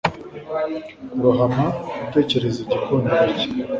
Kurohama utekereza igikundiro cye